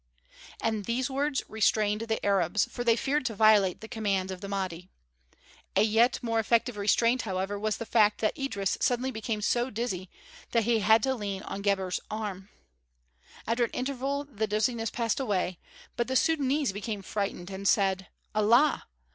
And these words restrained the Arabs, for they feared to violate the commands of the Mahdi. A yet more effective restraint, however, was the fact that Idris suddenly became so dizzy that he had to lean on Gebhr's arm. After an interval the dizziness passed away, but the Sudânese became frightened and said: "Allah!